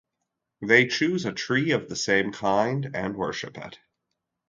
They choose a tree of the same kind and worship it.